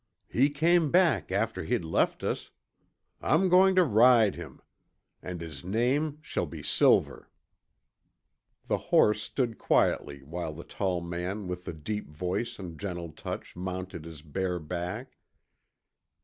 He came back after he'd left us. I'm going to ride him. And his name shall be Silver." The horse stood quietly while the tall man with the deep voice and gentle touch mounted his bare back.